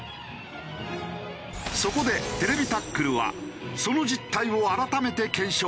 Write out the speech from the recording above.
そこで『ＴＶタックル』はその実態を改めて検証。